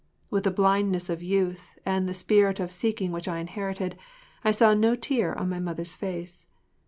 With the blindness of youth and the spirit of seeking which I inherited I saw no tear on my mother’s face.